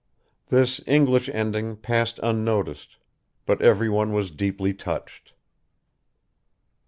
This English ending passed unnoticed; but everyone was deeply touched.